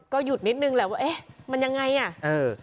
ก็หยุดนิดหนึ่งแหละว่าอ๊ะมันอย่างไร